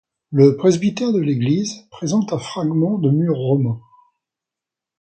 Le presbytère de l'église présente un fragment de mur romain.